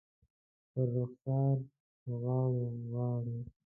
پر رخسار، پر غاړو ، غاړو